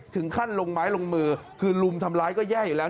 ถึงขั้นลงไม้ลงมือคือลุมทำร้ายก็แย่อยู่แล้ว